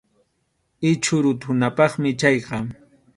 Ichhu rutunapaqmi chayqa.